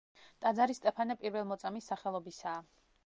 ტაძარი სტეფანე პირველმოწამის სახელობისაა.